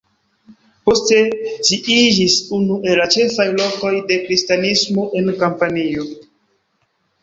Poste ĝi iĝis unu el la ĉefaj lokoj de Kristanismo en Kampanio.